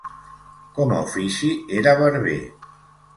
Com a ofici era barber.